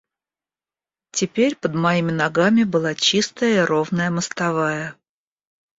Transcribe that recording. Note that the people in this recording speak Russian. Теперь под моими ногами была чистая и ровная мостовая.